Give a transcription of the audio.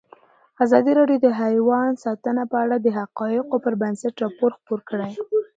ازادي راډیو د حیوان ساتنه په اړه د حقایقو پر بنسټ راپور خپور کړی.